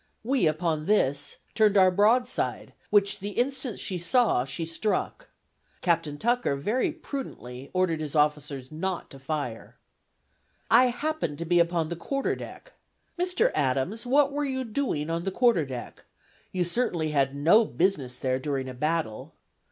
We, upon this, turned our broadside, which the instant she saw she struck. Captain Tucker very prudently ordered his officers not to fire." "I happened to be upon the quarter deck!" Mr. Adams, what were you doing on the quarter deck? You certainly had no business there during a battle.